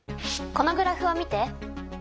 このグラフを見て。